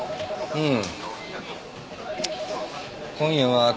うん。